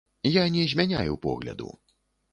Я не змяняю погляду.